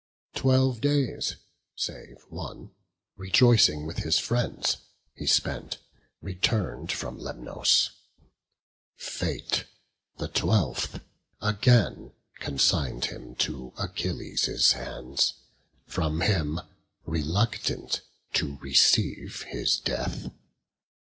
Twelve days save one, rejoicing, with his friends He spent, return'd from Lemnos: fate, the twelfth, Again consign'd him to Achilles' hands, From him, reluctant, to receive his death.